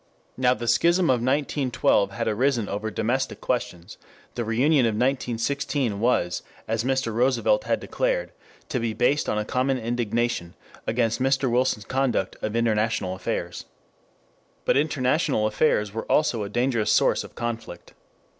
Now the schism of 1912 had arisen over domestic questions; the reunion of 1916 was, as Mr. Roosevelt had declared, to be based on a common indignation against Mr. Wilson's conduct of international affairs. But international affairs were also a dangerous source of conflict.